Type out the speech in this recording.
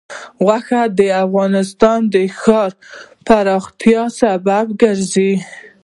غوښې د افغانستان د ښاري پراختیا سبب کېږي.